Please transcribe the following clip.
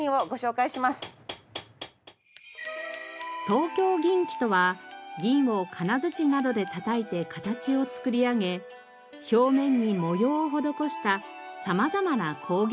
東京銀器とは銀を金づちなどでたたいて形を作り上げ表面に模様を施した様々な工芸品の事。